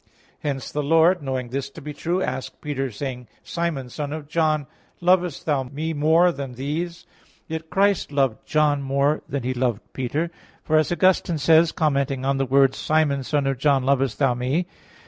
Hence the Lord, knowing this to be true, asked Peter, saying: "Simon, son of John, lovest thou Me more than these?" Yet Christ loved John more than He loved Peter. For as Augustine says, commenting on the words, "Simon, son of John, lovest thou Me?"